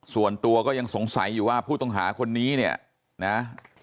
ส่วนตัวก็ยังสงสัยอยู่ว่าผู้ต้องหาคนนี้เนี่ยนะ